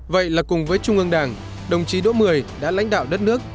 vậy là cùng với trung ương đảng đồng chí đỗ mười đã lãnh đạo đất nước